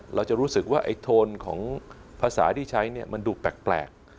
เราจะรู้สึกว่าไอ้โทนของภาษาที่ใช้เนี่ยมันดูแปลก